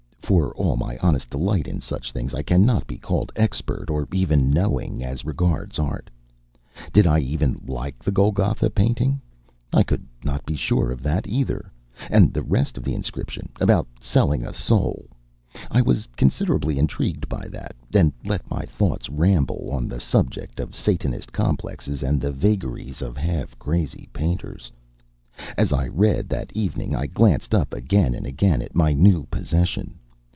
For all my honest delight in such things, I cannot be called expert or even knowing as regards art. Did I even like the Golgotha painting? I could not be sure of that, either. And the rest of the inscription, about selling a soul; I was considerably intrigued by that, and let my thoughts ramble on the subject of Satanist complexes and the vagaries of half crazy painters. As I read, that evening, I glanced up again and again at my new possession.